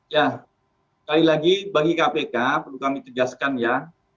ya sekali lagi bagi kpk perlu kami tegaskan ya